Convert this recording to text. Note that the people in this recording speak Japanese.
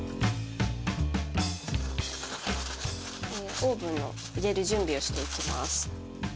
オーブンに入れる準備をしていきます。